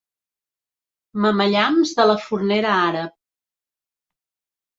Mamellams de la fornera àrab.